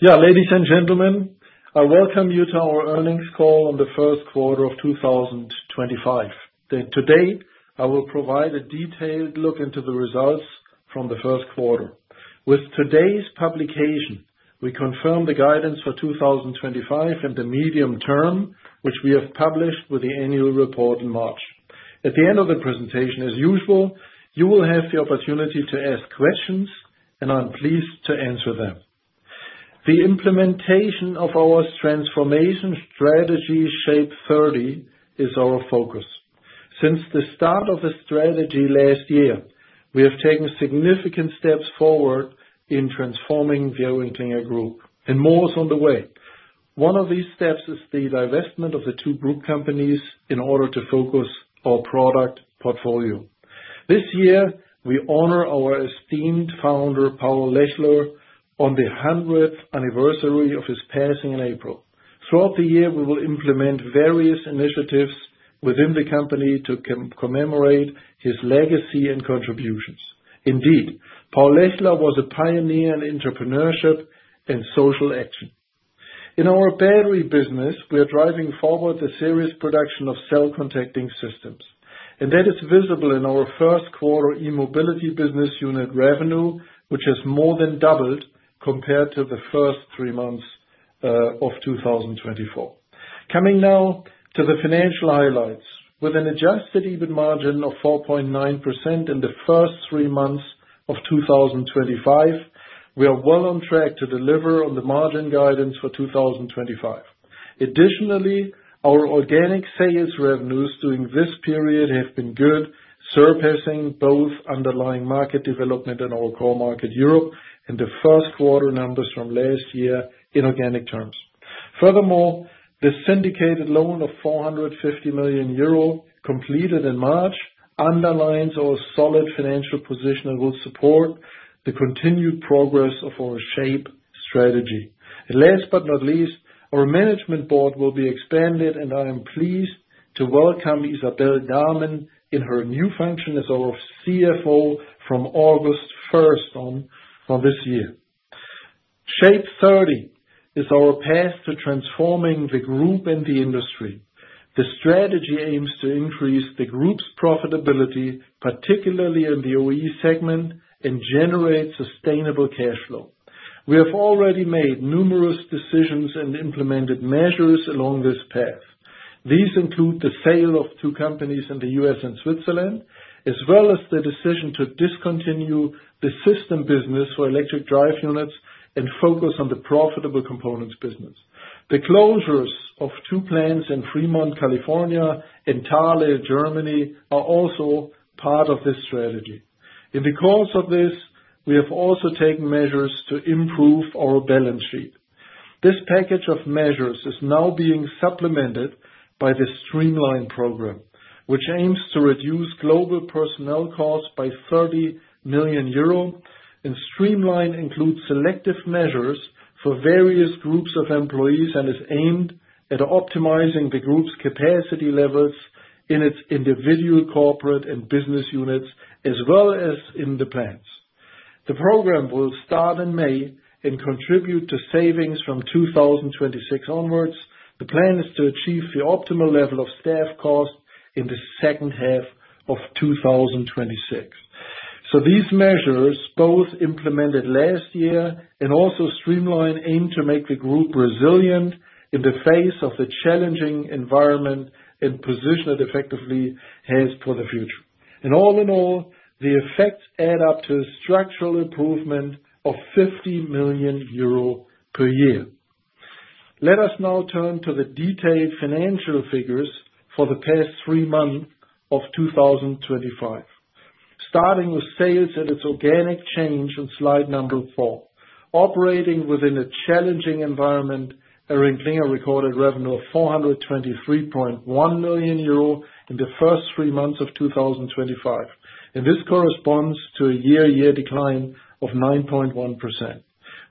Yeah, ladies and gentlemen, I welcome you to our earnings call on the first quarter of 2025. Today, I will provide a detailed look into the results from the first quarter. With today's publication, we confirm the guidance for 2025 and the medium term, which we have published with the annual report in March. At the end of the presentation, as usual, you will have the opportunity to ask questions, and I'm pleased to answer them. The implementation of our transformation strategy SHAPE 30 is our focus. Since the start of the strategy last year, we have taken significant steps forward in transforming the ElringKlinger Group, and more is on the way. One of these steps is the divestment of the two group companies in order to focus our product portfolio. This year, we honor our esteemed founder, Paul Lechler, on the 100th anniversary of his passing in April. Throughout the year, we will implement various initiatives within the company to commemorate his legacy and contribution. Indeed, Paul Lechler was a pioneer in entrepreneurship and social action. In our battery business, we are driving forward the series production of cell contacting systems, and that is visible in our first quarter e-mobility business unit revenue, which has more than doubled compared to the first three months of 2024. Coming now to the financial highlights. With an adjusted EBIT margin of 4.9% in the first three months of 2025, we are well on track to deliver on the margin guidance for 2025. Additionally, our organic sales revenues during this period have been good, surpassing both underlying market development in our core market, Europe, and the first quarter numbers from last year in organic terms. Furthermore, the syndicated loan of 450 million euro completed in March underlines our solid financial position and will support the continued progress of our SHAPE 30 strategy. Last but not least, our Management Board will be expanded, and I am pleased to welcome Isabelle Damen in her new function as our CFO from August 1 on this year. SHAPE 30 is our path to transforming the group and the industry. The strategy aims to increase the group's profitability, particularly in the OE segment, and generate sustainable cash flow. We have already made numerous decisions and implemented measures along this path. These include the sale of two companies in the US and Switzerland, as well as the decision to discontinue the system business for electric drive units and focus on the profitable components business. The closures of two plants in Fremont, California, and Thale, Germany, are also part of this strategy. In the course of this, we have also taken measures to improve our balance sheet. This package of measures is now being supplemented by the Streamline program, which aims to reduce global personnel costs by 30 million euro. Streamline includes selective measures for various groups of employees and is aimed at optimizing the group's capacity levels in its individual corporate and business units, as well as in the plants. The program will start in May and contribute to savings from 2026 onwards. The plan is to achieve the optimal level of staff cost in the second half of 2026. These measures, both implemented last year and also Streamline, aim to make the group resilient in the face of the challenging environment and position it effectively for the future. All in all, the effects add up to a structural improvement of 50 million euro per year. Let us now turn to the detailed financial figures for the past three months of 2025, starting with sales and its organic change on slide number four. Operating within a challenging environment, ElringKlinger recorded revenue of 423.1 million euro in the first three months of 2025, and this corresponds to a year-year decline of 9.1%.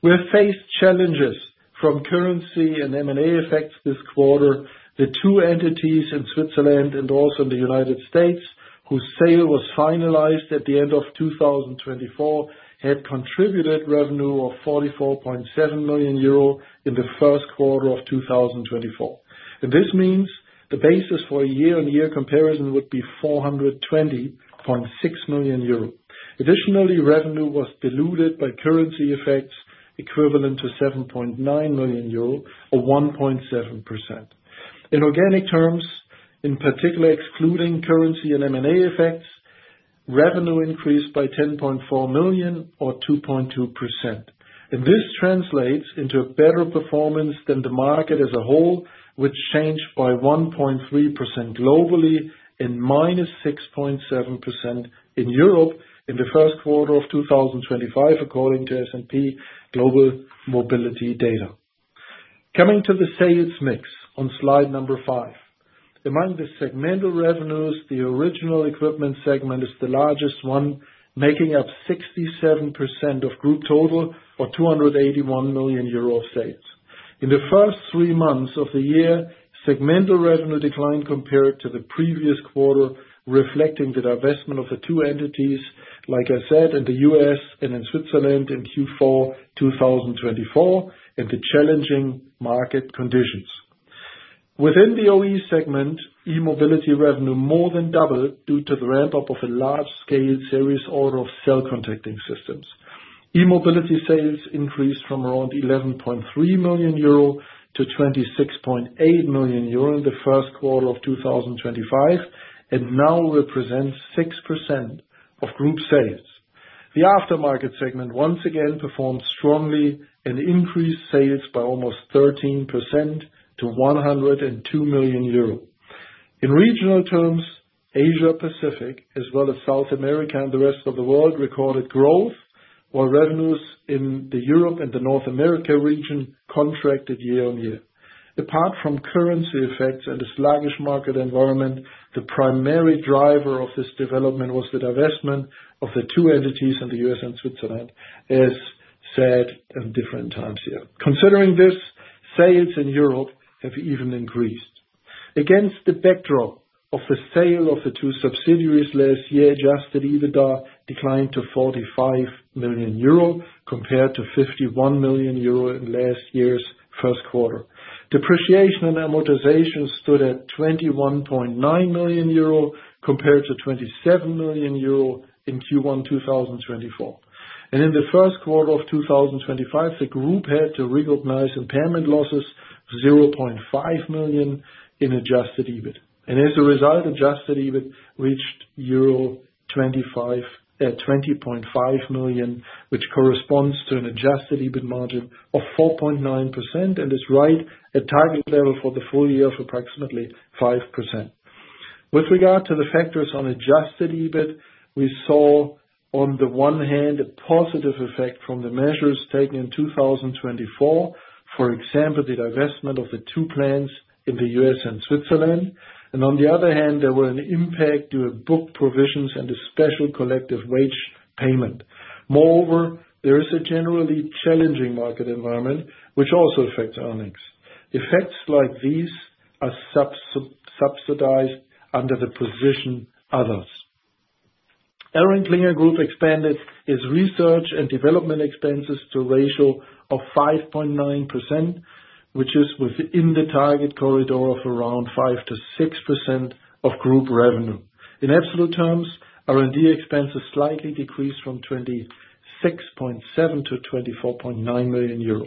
We have faced challenges from currency and M&A effects this quarter. The two entities in Switzerland and also in the United States, whose sale was finalized at the end of 2024, had contributed revenue of 44.7 million euro in the first quarter of 2024. This means the basis for a year-on-year comparison would be 420.6 million euro. Additionally, revenue was diluted by currency effects equivalent to 7.9 million euro, or 1.7%. In organic terms, in particular, excluding currency and M&A effects, revenue increased by 10.4 million, or 2.2%. This translates into a better performance than the market as a whole, which changed by 1.3% globally and -6.7% in Europe in the first quarter of 2025, according to S&P Global Mobility Data. Coming to the sales mix on slide number five, among the segmental revenues, the original equipment segment is the largest one, making up 67% of group total, or 281 million euro of sales. In the first three months of the year, segmental revenue declined compared to the previous quarter, reflecting the divestment of the two entities, like I said, in the US and in Switzerland in Q4 2024, and the challenging market conditions. Within the OE segment, e-mobility revenue more than doubled due to the ramp-up of a large-scale series order of cell contacting systems. E-mobility sales increased from around 11.3 million euro to 26.8 million euro in the first quarter of 2025, and now represents 6% of group sales. The aftermarket segment once again performed strongly and increased sales by almost 13% to 102 million euro. In regional terms, Asia-Pacific, as well as South America and the rest of the world, recorded growth, while revenues in the Europe and the North America region contracted year on year. Apart from currency effects and the sluggish market environment, the primary driver of this development was the divestment of the two entities in the US and Switzerland, as said on different times here. Considering this, sales in Europe have even increased. Against the backdrop of the sale of the two subsidiaries last year, adjusted EBITDA declined to 45 million euro compared to 51 million euro in last year's first quarter. Depreciation and amortization stood at 21.9 million euro compared to 27 million euro in Q1 2024. In the first quarter of 2025, the group had to recognize impairment losses of 0.5 million in adjusted EBIT. As a result, adjusted EBIT reached euro 20.5 million, which corresponds to an adjusted EBIT margin of 4.9% and is right at target level for the full year of approximately 5%. With regard to the factors on adjusted EBIT, we saw, on the one hand, a positive effect from the measures taken in 2024, for example, the divestment of the two plants in the US and Switzerland. On the other hand, there were an impact to book provisions and a special collective wage payment. Moreover, there is a generally challenging market environment, which also affects earnings. Effects like these are subsidized under the provision others. ElringKlinger Group expanded its research and development expenses to a ratio of 5.9%, which is within the target corridor of around 5%-6% of group revenue. In absolute terms, R&D expenses slightly decreased from 26.7 million to 24.9 million euro.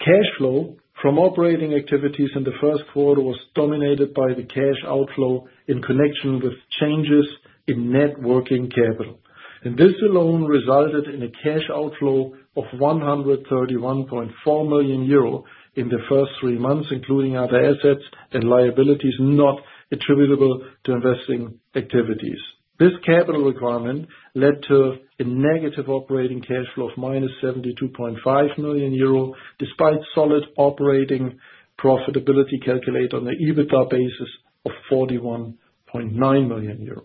Cash flow from operating activities in the first quarter was dominated by the cash outflow in connection with changes in net working capital. This alone resulted in a cash outflow of 131.4 million euro in the first three months, including other assets and liabilities not attributable to investing activities. This capital requirement led to a negative operating cash flow of 72.5 million euro, despite solid operating profitability calculated on an EBITDA basis of 41.9 million euro.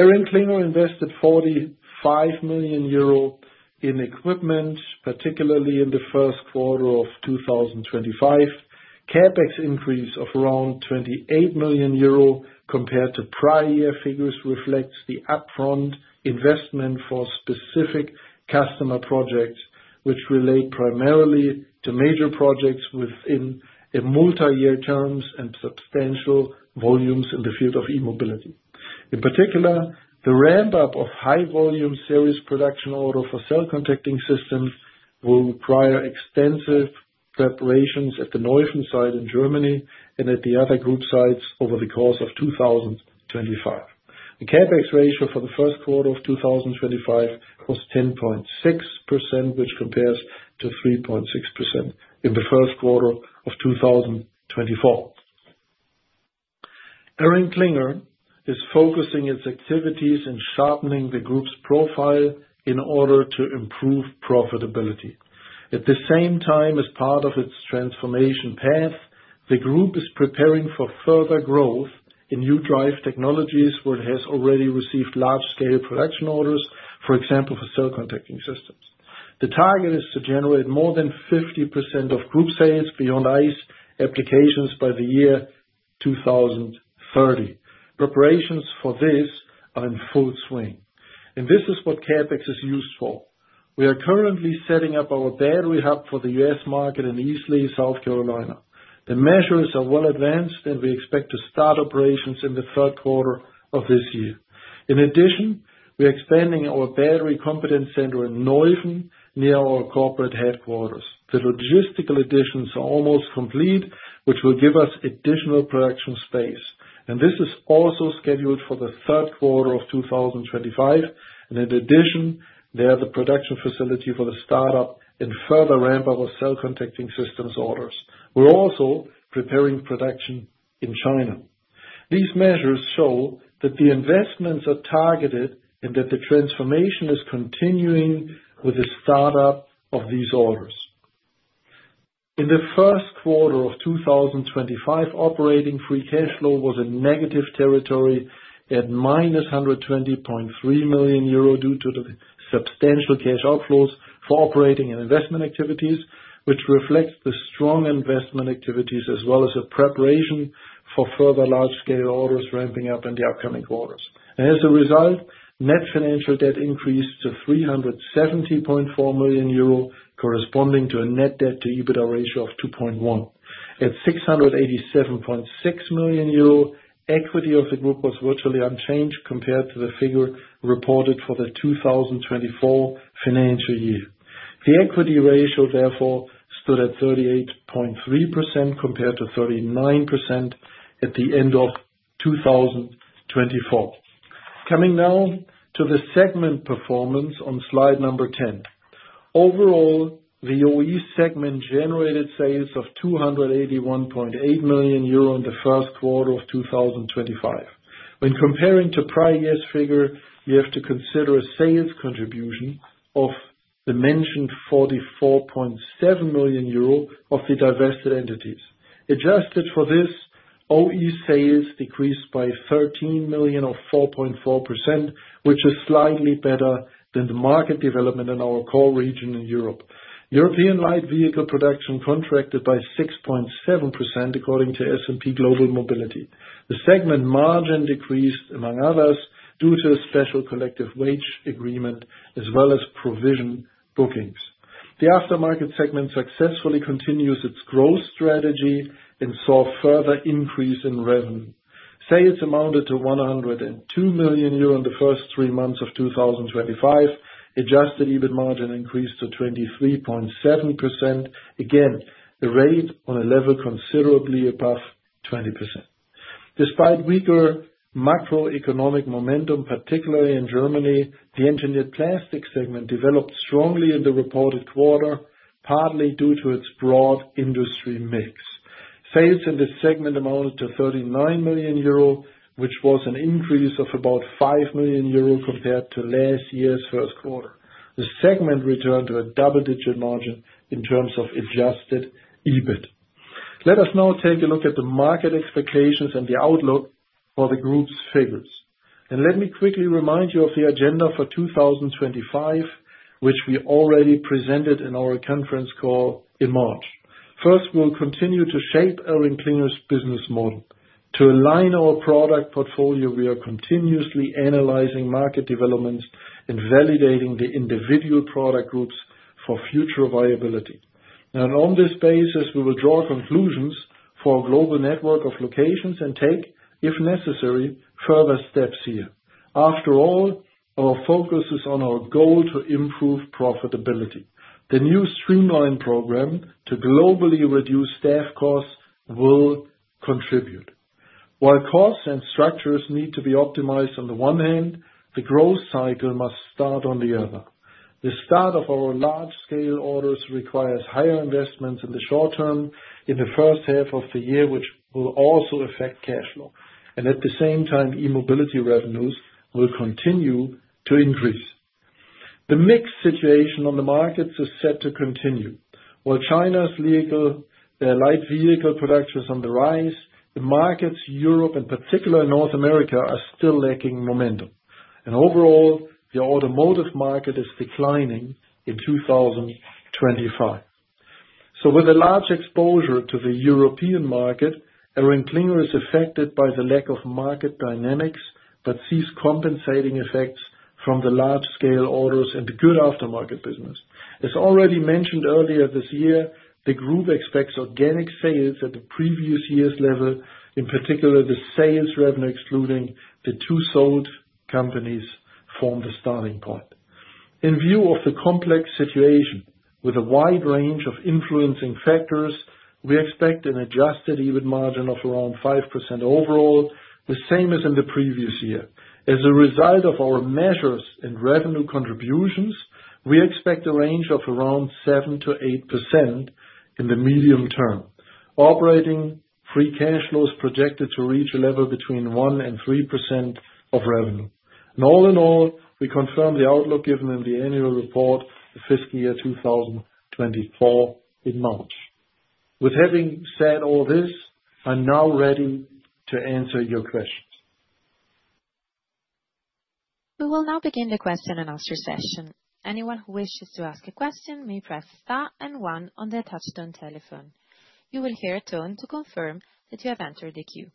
ElringKlinger invested 45 million euro in equipment, particularly in the first quarter of 2025. Capex increase of around 28 million euro compared to prior year figures reflects the upfront investment for specific customer projects, which relate primarily to major projects within multi-year terms and substantial volumes in the field of e-mobility. In particular, the ramp-up of high-volume series production order for cell contacting systems will require extensive preparations at Neuschwanstein in Germany and at the other group sites over the course of 2025. The Capex ratio for the first quarter of 2025 was 10.6%, which compares to 3.6% in the first quarter of 2024. ElringKlinger is focusing its activities in sharpening the group's profile in order to improve profitability. At the same time, as part of its transformation path, the group is preparing for further growth in new drive technologies, where it has already received large-scale production orders, for example, for cell contacting systems. The target is to generate more than 50% of group sales beyond ICE applications by the year 2030. Preparations for this are in full swing. This is what Capex is used for. We are currently setting up our battery hub for the US market in East Lee, South Carolina. The measures are well advanced, and we expect to start operations in the third quarter of this year. In addition, we are expanding our battery competence center in Neuschwanstein near our corporate headquarters. The logistical additions are almost complete, which will give us additional production space. This is also scheduled for the third quarter of 2025. In addition, there is a production facility for the startup and further ramp-up of cell contacting systems orders. We're also preparing production in China. These measures show that the investments are targeted and that the transformation is continuing with the startup of these orders. In the first quarter of 2025, operating free cash flow was in negative territory at minus 120.3 million euro due to the substantial cash outflows for operating and investment activities, which reflects the strong investment activities as well as the preparation for further large-scale orders ramping up in the upcoming quarter. As a result, net financial debt increased to 370.4 million euro, corresponding to a net debt-to-EBITDA ratio of 2.1. At 687.6 million euro, equity of the group was virtually unchanged compared to the figure reported for the 2024 financial year. The equity ratio, therefore, stood at 38.3% compared to 39% at the end of 2024. Coming now to the segment performance on slide number 10. Overall, the OE segment generated sales of 281.8 million euro in the first quarter of 2025. When comparing to prior year's figure, we have to consider a sales contribution of the mentioned 44.7 million euro of the divested entities. Adjusted for this, OE sales decreased by 13 million, or 4.4%, which is slightly better than the market development in our core region in Europe. European light vehicle production contracted by 6.7%, according to S&P Global Mobility. The segment margin decreased, among others, due to a special collective wage agreement, as well as provision bookings. The aftermarket segment successfully continues its growth strategy and saw further increase in revenue. Sales amounted to 102 million euro in the first three months of 2025. Adjusted EBIT margin increased to 23.7%. Again, the rate on a level considerably above 20%. Despite weaker macroeconomic momentum, particularly in Germany, the engineered plastic segment developed strongly in the reported quarter, partly due to its broad industry mix. Sales in the segment amounted to 39 million euro, which was an increase of about 5 million euro compared to last year's third quarter. The segment returned to a double-digit margin in terms of adjusted EBIT. Let us now take a look at the market expectations and the outlook for the group's figures. Let me quickly remind you of the agenda for 2025, which we already presented in our conference call in March. First, we'll continue to shape ElringKlinger's business model. To align our product portfolio, we are continuously analyzing market developments and validating the individual product groups for future viability. On this basis, we will draw conclusions for our global network of locations and take, if necessary, further steps here. After all, our focus is on our goal to improve profitability. The new Streamline Program to globally reduce staff costs will contribute. While costs and structures need to be optimized on the one hand, the growth cycle must start on the other. The start of our large-scale orders requires higher investments in the short term in the first half of the year, which will also affect cash flow. At the same time, e-mobility revenues will continue to increase. The mixed situation on the markets is set to continue. While China's light vehicle production is on the rise, the markets in Europe, in particular North America, are still lacking momentum. Overall, the automotive market is declining in 2025. With a large exposure to the European market, ElringKlinger is affected by the lack of market dynamics but sees compensating effects from the large-scale orders and the good aftermarket business. As already mentioned earlier this year, the group expects organic sales at the previous year's level, in particular the sales revenue excluding the two sold companies form the starting point. In view of the complex situation with a wide range of influencing factors, we expect an adjusted EBIT margin of around 5% overall, the same as in the previous year. As a result of our measures and revenue contributions, we expect a range of around 7%-8% in the medium term. Operating free cash flow is projected to reach a level between 1%-3% of revenue. All in all, we confirm the outlook given in the annual report of fiscal year 2024 in March. With having said all this, I'm now ready to answer your questions. We will now begin the question and answer session. Anyone who wishes to ask a question may press Star and one on their touch-tone telephone. You will hear a tone to confirm that you have entered the queue.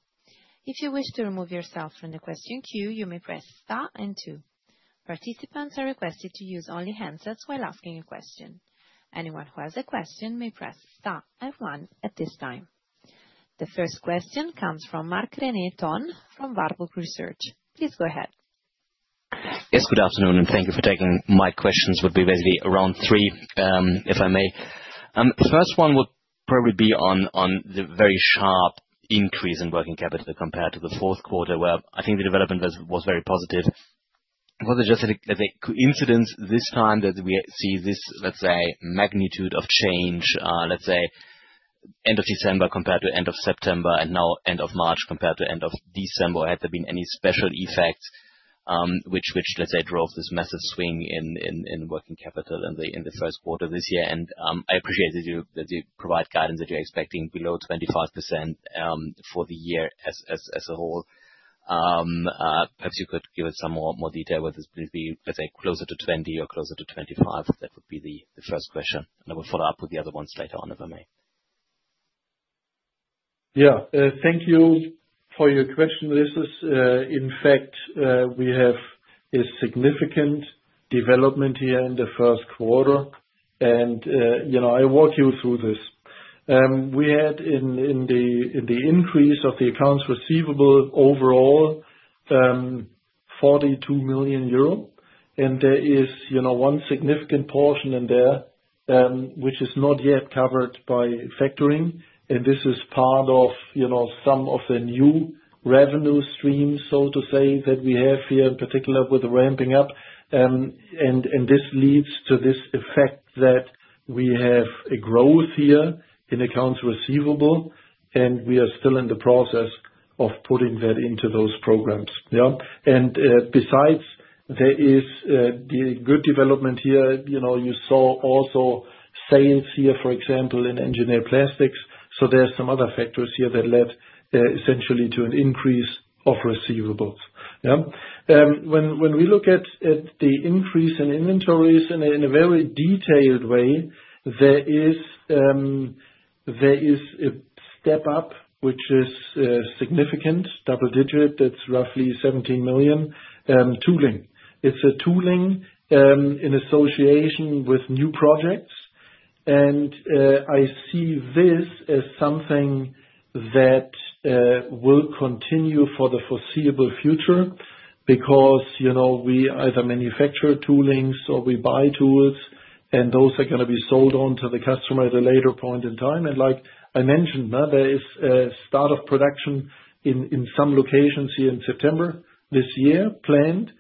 If you wish to remove yourself from the question queue, you may press Star and two. Participants are requested to use only handsets while asking a question. Anyone who has a question may press Star and one at this time. The first question comes from Marc-René Tonn from Warburg Research. Please go ahead. Yes, good afternoon, and thank you for taking my questions. It would be basically around three, if I may. The first one would probably be on the very sharp increase in working capital compared to the fourth quarter, where I think the development was very positive. Was it just a coincidence this time that we see this, let's say, magnitude of change, let's say, end of December compared to end of September and now end of March compared to end of December? Has there been any special effects which, let's say, drove this massive swing in working capital in the first quarter this year? I appreciate that you provide guidance that you're expecting below 25% for the year as a whole. Perhaps you could give us some more detail with this, let's say, closer to 20 or closer to 25, if that would be the first question. I will follow up with the other ones later on, if I may. Thank you for your question, Mark. In fact, we have a significant development here in the first quarter. I'll walk you through this. We had in the increase of the accounts receivable overall 42 million euro. There is one significant portion in there which is not yet covered by factoring. This is part of some of the new revenue streams, so to say, that we have here, in particular with the ramping up. This leads to this effect that we have a growth here in accounts receivable, and we are still in the process of putting that into those programs. Besides, there is the good development here. You saw also sales here, for example, in engineered plastics. There are some other factors here that led essentially to an increase of receivables. When we look at the increase in inventories in a very detailed way, there is a step up, which is significant, double-digit, that's roughly 17 million. Tooling. It's a tooling in association with new projects. I see this as something that will continue for the foreseeable future because we either manufacture toolings or we buy tools, and those are going to be sold on to the customer at a later point in time. Like I mentioned, there is a start of production in some locations here in September this year planned.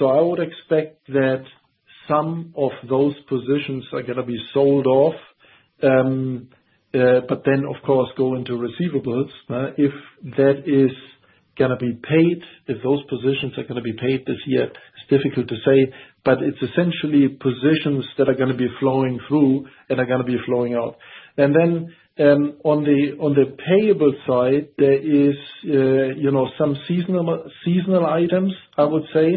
I would expect that some of those positions are going to be sold off, but then, of course, go into receivables. If that is going to be paid, if those positions are going to be paid this year, it is difficult to say, but it is essentially positions that are going to be flowing through and are going to be flowing out. On the payable side, there are some seasonal items, I would say,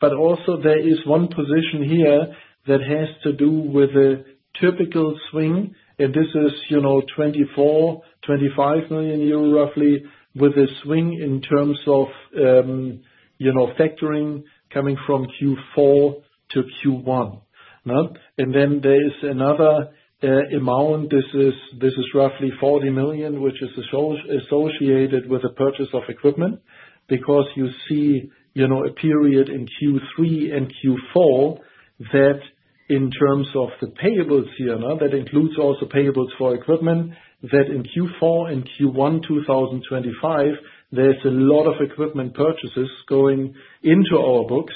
but also there is one position here that has to do with a typical swing. 24 million, 25 million euro, roughly, with a swing in terms of factoring coming from Q4 to Q1. There is another amount. This is roughly 40 million, which is associated with the purchase of equipment because you see a period in Q3 and Q4 that, in terms of the payables here, that includes all the payables for equipment, that in Q4 and Q1 2025, there is a lot of equipment purchases going into our books.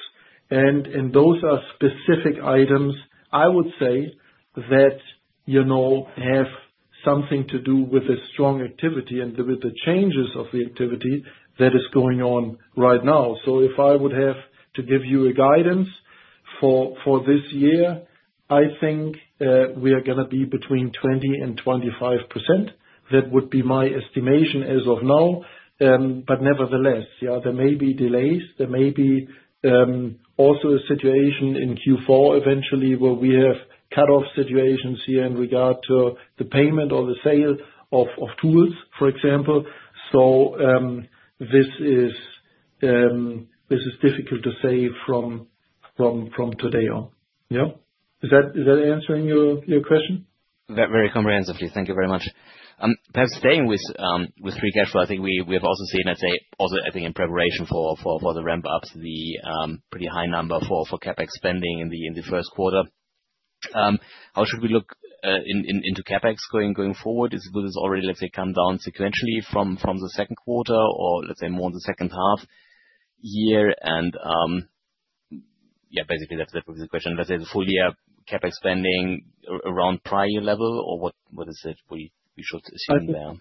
Those are specific items, I would say, that have something to do with the strong activity and with the changes of the activity that is going on right now. If I would have to give you a guidance for this year, I think we are going to be between 20%-25%. That would be my estimation as of now. Nevertheless, there may be delays. There may be also a situation in Q4 eventually where we have cut-off situations here in regard to the payment or the sale of tools, for example. This is difficult to say from today on. Is that answering your question? Very comprehensively. Thank you very much. Perhaps staying with free cash flow, I think we have also seen, let's say, also, I think, in preparation for the ramp-ups, the pretty high number for CapEx spending in the first quarter. How should we look into CapEx going forward? Will this already, let's say, come down sequentially from the second quarter or, let's say, more in the second half year? Yeah, basically, that would be the question. Let's say the full-year CapEx spending around prior year level or what is it we should assume there?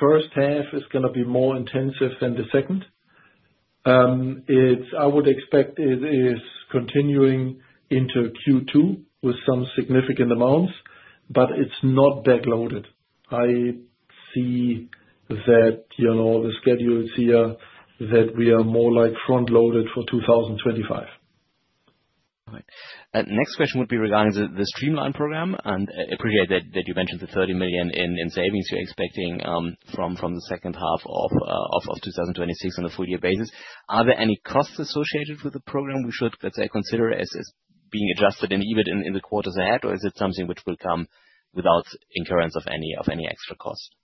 First half is going to be more intensive than the second. I would expect it is continuing into Q2 with some significant amounts, but it's not backloaded. I see that the schedule is here that we are more like front-loaded for 2025. All right. Next question would be regarding the Streamline Program. I appreciate that you mentioned the 30 million in savings you're expecting from the second half of 2026 on a full-year basis. Are there any costs associated with the program we should, let's say, consider as being adjusted in the quarters ahead, or is it something which will come without incurrence of any extra cost?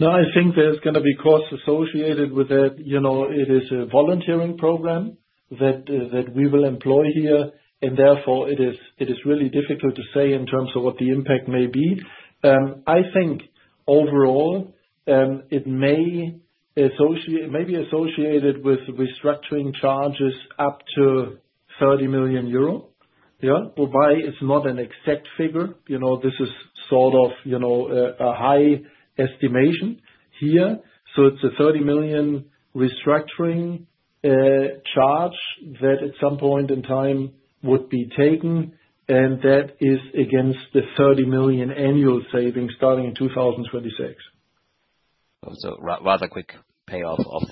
No, I think there's going to be costs associated with it. It is a volunteering program that we will employ here, and therefore, it is really difficult to say in terms of what the impact may be. I think overall, it may be associated with restructuring charges up to 30 million euro. Why? It's not an exact figure. This is sort of a high estimation here. It is a 30 million restructuring charge that at some point in time would be taken, and that is against the 30 million annual savings starting in 2026. Rather quick payoff of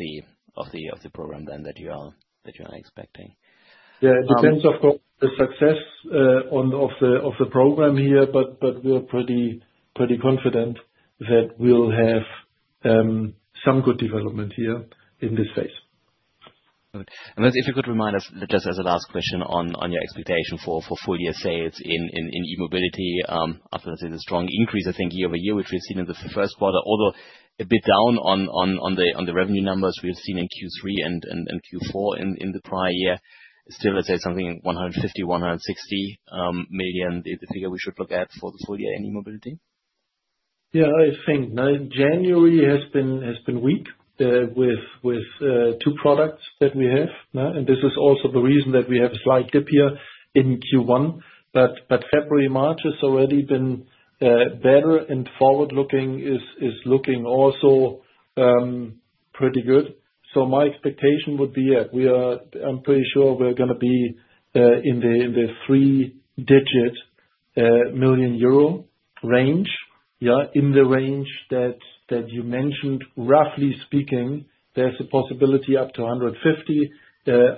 the program then that you are expecting. Yeah, it depends, of course, on the success of the program here, but we're pretty confident that we'll have some good development here in this phase. If you could remind us just as a last question on your expectation for full-year sales in e-mobility after, let's say, the strong increase, I think, year over year, which we've seen in the first quarter, although a bit down on the revenue numbers we've seen in Q3 and Q4 in the prior year, still, let's say, something like 150 million-160 million is the figure we should look at for the full year in e-mobility? Yeah, I think now January has been weak with two products that we have. This is also the reason that we have a slight dip here in Q1. February and March have already been better, and forward-looking is looking also pretty good. My expectation would be that we are, I'm pretty sure we're going to be in the three-digit million euro range, in the range that you mentioned. Roughly speaking, there's a possibility up to 150.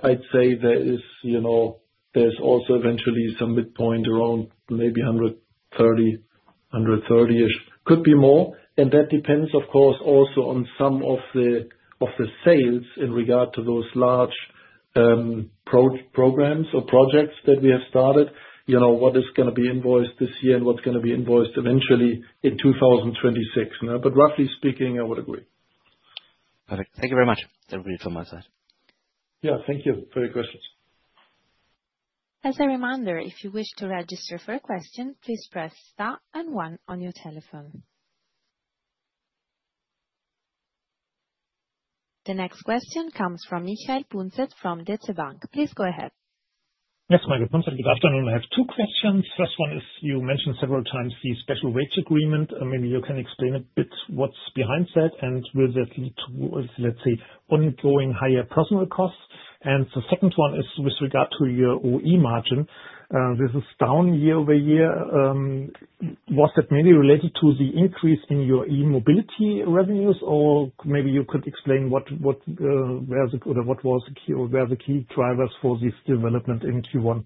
I'd say there is also eventually some midpoint around maybe 130, 130-ish. Could be more. That depends, of course, also on some of the sales in regard to those large programs or projects that we have started, what is going to be invoiced this year and what's going to be invoiced eventually in 2026. Roughly speaking, I would agree. Perfect. Thank you very much, everybody, from my side. yeah. Thank you for your questions. As a reminder, if you wish to register for a question, please press Star and one on your telephone. The next question comes from Michael Punset from DZ Bank. Please go ahead. Yes, Michael from DZ Bank, good afternoon. I have two questions. First one is, you mentioned several times the special rates agreement. Maybe you can explain a bit what's behind that and will that lead to, let's say, ongoing higher personnel costs? The second one is with regard to your OE margin. This is down year over year. Was that mainly related to the increase in your e-mobility revenues, or maybe you could explain what was the key drivers for this development in Q1?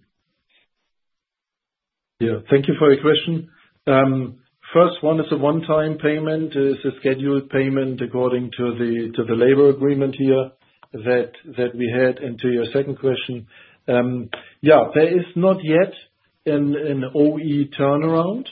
Yeah, thank you for your question. First one is a one-time payment. It's a scheduled payment according to the labor agreement here that we had. To your second question, yeah, there is not yet an OE turnaround.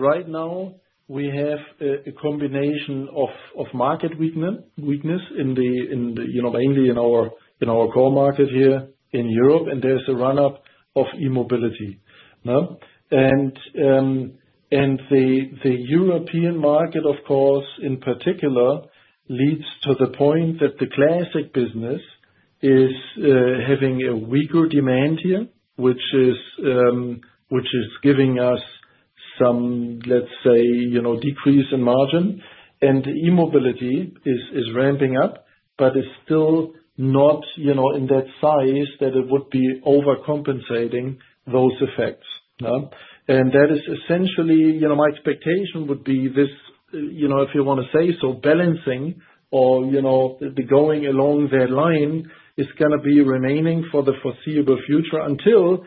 Right now, we have a combination of market weakness, mainly in our core market here in Europe, and there's a run-up of e-mobility. The European market, of course, in particular, leads to the point that the classic business is having a weaker demand here, which is giving us some, let's say, decrease in margin. E-mobility is ramping up, but it's still not in that size that it would be overcompensating those effects. That is essentially, my expectation would be this, if you want to say so, balancing or going along that line is going to be remaining for the foreseeable future until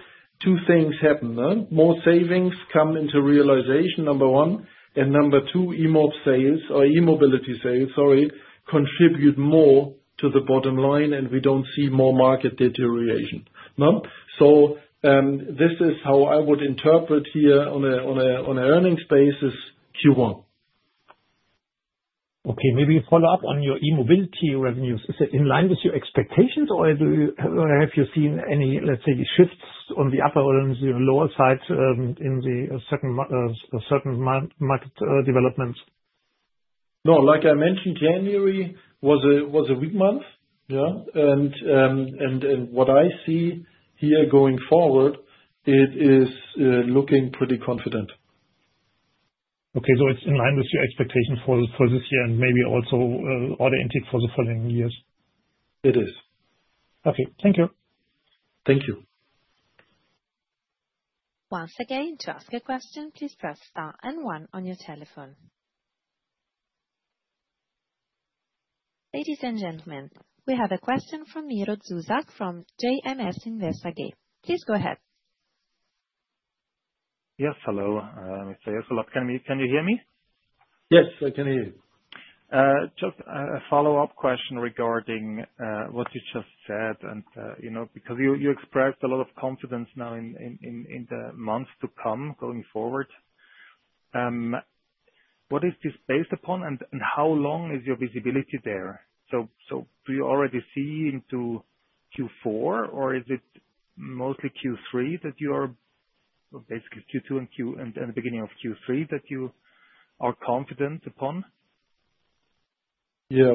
two things happen. More savings come into realization, number one. Number two, e-mobility sales, sorry, contribute more to the bottom line, and we don't see more market deterioration. This is how I would interpret here on an earnings basis, Q1. Okay, maybe follow up on your e-mobility revenues. Is it in line with your expectations, or have you seen any, let's say, shifts on the upper or on the lower side in certain market developments? No, like I mentioned, January was a weak month. What I see here going forward, it is looking pretty confident. Okay, so it's in line with your expectation for this year and maybe also oriented for the following years? It is. Okay, thank you. Thank you. Once again, to ask a question, please press Star and one on your telephone. Ladies and gentlemen, we have a question from Miro Zuzak from JMS Investage. Please go ahead. Yes, hello. Mr. Jessulat, can you hear me? Yes, I can hear you. Just a follow-up question regarding what you just said. Because you expressed a lot of confidence now in the months to come going forward, what is this based upon, and how long is your visibility there? Do you already see into Q4, or is it mostly Q3 that you are basically Q2 and the beginning of Q3 that you are confident upon? Yeah,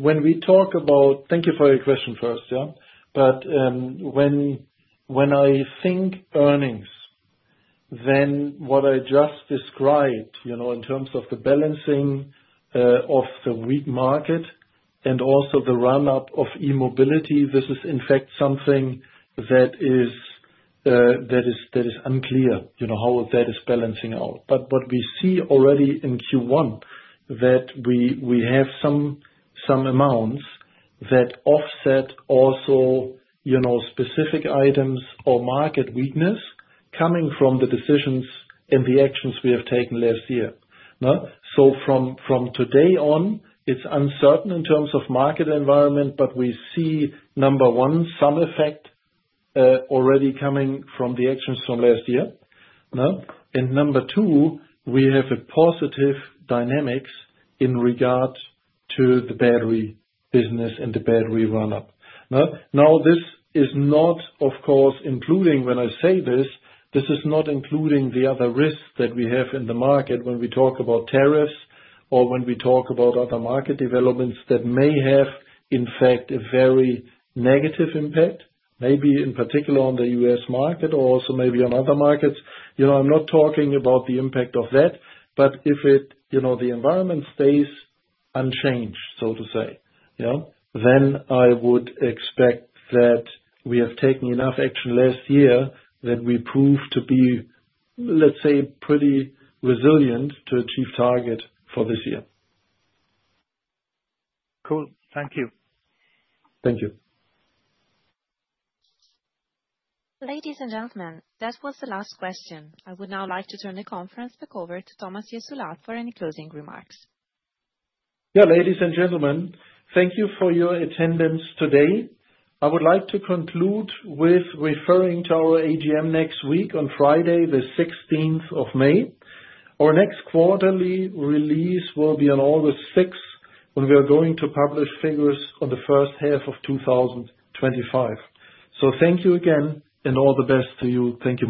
when we talk about, thank you for your question first, yeah? When I think earnings, then what I just described in terms of the balancing of the weak market and also the run-up of e-mobility, this is in fact something that is unclear how that is balancing out. What we see already in Q1 is that we have some amounts that offset also specific items or market weakness coming from the decisions and the actions we have taken last year. From today on, it's uncertain in terms of market environment, but we see, number one, some effect already coming from the actions from last year. Number two, we have a positive dynamic in regard to the battery business and the battery run-up. This is not, of course, including when I say this, this is not including the other risks that we have in the market when we talk about tariffs or when we talk about other market developments that may have, in fact, a very negative impact, maybe in particular on the US market or also maybe on other markets. I'm not talking about the impact of that, but if the environment stays unchanged, so to say, then I would expect that we have taken enough action last year that we prove to be, let's say, pretty resilient to achieve target for this year. Cool. Thank you. Thank you. Ladies and gentlemen, that was the last question. I would now like to turn the conference back over to Thomas Jessulat for any closing remarks. Yeah, ladies and gentlemen, thank you for your attendance today. I would like to conclude with referring to our AGM next week on Friday, the 16th of May. Our next quarterly release will be on August 6th when we are going to publish figures on the first half of 2025. Thank you again and all the best to you. Thank you.